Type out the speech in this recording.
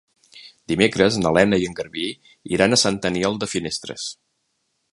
Dimecres na Lena i en Garbí iran a Sant Aniol de Finestres.